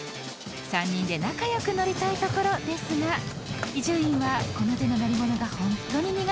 ３人で仲良く乗りたいところですが伊集院はこの手の乗り物が本当に苦手なようで